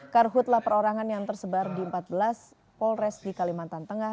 karhutlah perorangan yang tersebar di empat belas polres di kalimantan tengah